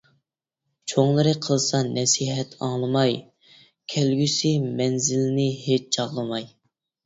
چوڭلىرى قىلسا نەسىھەت ئاڭلىماي، كەلگۈسى مەنزىلنى ھېچ چاغلىماي.